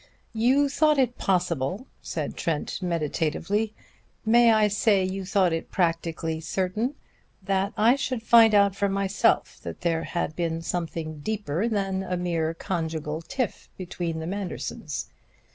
"You thought it possible," said Trent meditatively, "may I say you thought it practically certain? that I should find out for myself that there had been something deeper than a mere conjugal tiff between the Mandersons.